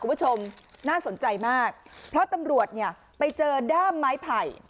คุณผู้ชมน่าสนใจมากเพราะตำรวจเนี่ยไปเจอด้ามไม้ไผ่